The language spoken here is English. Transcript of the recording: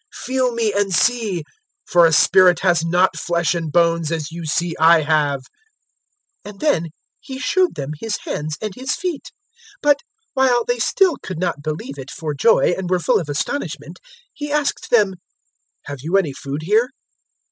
Feel me and see, for a spirit has not flesh and bones as you see I have." 024:040 And then He showed them His hands and His feet. 024:041 But, while they still could not believe it for joy and were full of astonishment, He asked them, "Have you any food here?"